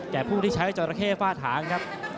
ผู้ที่ใช้จราเข้ฝ้าถางครับ